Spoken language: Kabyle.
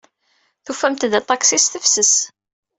Tufamt-d aṭaksi s tefses.